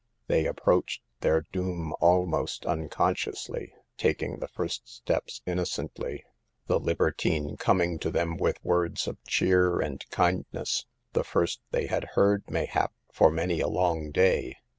Tfrey approached their doom almost unconsciously, taking the first , THE PEBILS OF POVERTY. 163 steps innocently, the libertine coming to them with words of cheer and kindness, the first they had heard, mayhap, for many a long day.